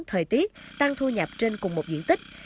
thời tiết tăng thu nhập trên cùng một diện tích